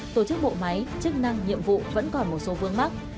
tổ chức bộ máy chức năng nhiệm vụ vẫn còn một số vương mắc